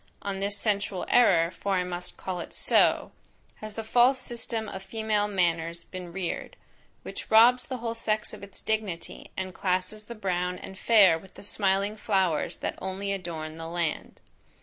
On this sensual error, for I must call it so, has the false system of female manners been reared, which robs the whole sex of its dignity, and classes the brown and fair with the smiling flowers that only adorn the land.